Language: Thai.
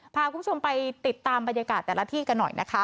พาคุณผู้ชมไปติดตามบรรยากาศแต่ละที่กันหน่อยนะคะ